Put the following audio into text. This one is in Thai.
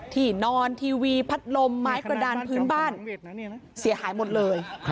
ที่นอนทีวีพัดลมไม้กระดานพื้นบ้านเสียหายหมดเลย